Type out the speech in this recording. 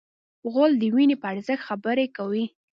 غول د وینې په ارزښت خبرې کوي.